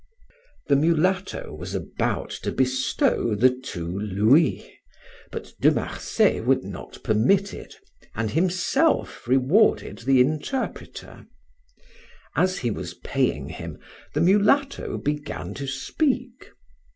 The mulatto was about to bestow the two louis, but De Marsay would not permit it, and himself rewarded the interpreter. As he was paying him, the mulatto began to speak.